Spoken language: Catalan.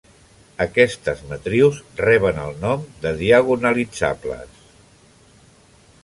Aquestes matrius reben el nom de diagonalitzables.